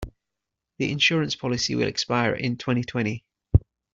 The insurance policy will expire in twenty-twenty.